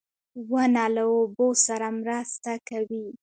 • ونه له اوبو سره مرسته کوي.